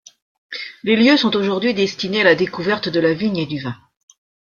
Les lieux sont aujourd'hui destinés à la découverte de la vigne et du vin.